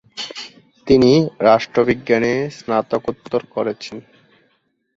তিনি রাষ্ট্রবিজ্ঞানে স্নাতকোত্তর করেছেন।